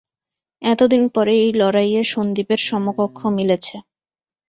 এতদিন পরে এই লড়াইয়ে সন্দীপের সমকক্ষ মিলেছে।